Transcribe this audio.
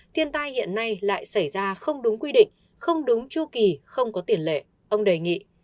thiên tai hiện nay lại xảy ra không đúng quy định không đúng chu kỳ không có tiền lệ ông đề nghị